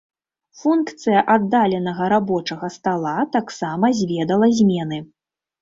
Функцыя аддаленага рабочага стала таксама зведала змены.